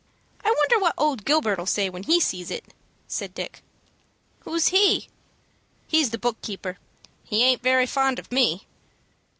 "I wonder what old Gilbert'll say when he sees it," said Dick. "Who's he?" "He's the book keeper. He aint very fond of me."